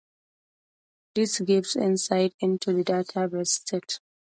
This gives insight into the database state